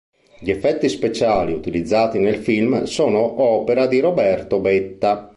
Gli effetti speciali utilizzati nel film sono opera di Roberto Betta.